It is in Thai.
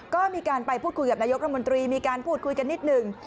ก็มีการไปพูดคุยกับนายกรัฐมนตรีมีการพูดคุยกันนิดหนึ่ง